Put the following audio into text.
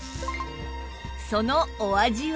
そのお味は？